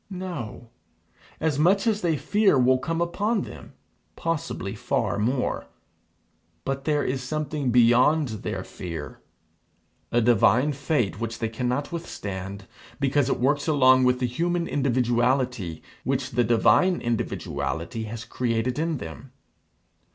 No. As much as they fear will come upon them, possibly far more. But there is something beyond their fear, a divine fate which they cannot withstand, because it works along with the human individuality which the divine individuality has created in them.